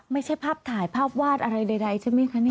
ไม่ใช่ภาพถ่ายภาพวาดอะไรใดใช่ไหมคะเนี่ย